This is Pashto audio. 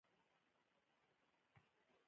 ای، دا څومره شاعران شول